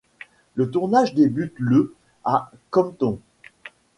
Le tournage débute le à Compton.